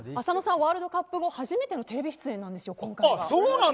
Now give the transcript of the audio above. ワールドカップ後初めてのテレビ出演なんですよ。